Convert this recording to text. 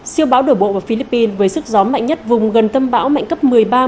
siêu bão đổ bộ vào philippines với sức gió mạnh nhất vùng gần tâm bão mạnh cấp một mươi ba